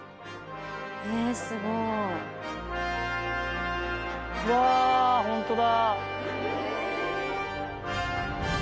・すごい。わホントだ。